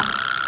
itu tau gak